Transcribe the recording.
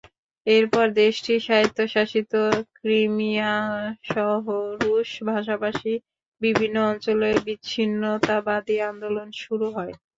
এরপর দেশটির স্বায়ত্তশাসিত ক্রিমিয়াসহ রুশ ভাষাভাষী বিভিন্ন অঞ্চলে বিচ্ছিন্নতাবাদী আন্দোলন শুরু হয়।